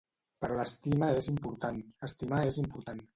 Però l'estima és important, estimar és important.